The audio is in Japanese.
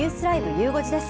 ゆう５時です。